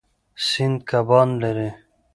سیند کبان لري.